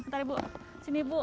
bentar bu sini bu